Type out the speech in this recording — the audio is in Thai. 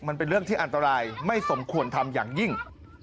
มันเป็นเรื่องที่อันตรายไม่สมควรทำอย่างยิ่ง